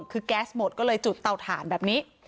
คือแก๊สหมดก็เลยจุดเตาถ่านแบบนี้